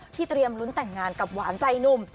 เตรียมลุ้นแต่งงานกับหวานใจหนุ่ม